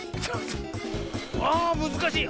あむずかしい。